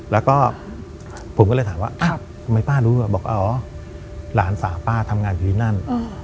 แล้วก็ผมก็เลยถามว่าทำไมป้ารู้บอกอ๋อหลานสาวป้าทำงานอยู่ที่นั่น